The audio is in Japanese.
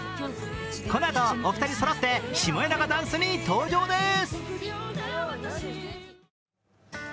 このあとお二人そろってシマエナガダンスに登場です。